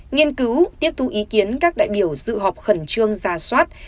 nghiên cứu tiếp thu ý kiến các đại biểu dự họp khẩn trương ra soát